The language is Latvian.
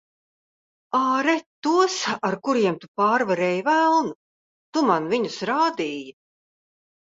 Āre tos, ar kuriem tu pārvarēji velnu. Tu man viņus rādīji.